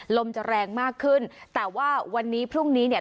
ลมจะแรงมากขึ้นแต่ว่าวันนี้พรุ่งนี้เนี่ย